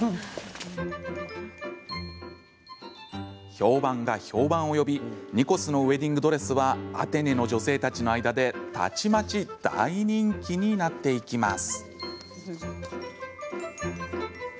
評判が評判を呼びニコスのウエディングドレスはアテネの女性たちの間でたちまち大人気になっていきます。